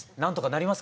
なります。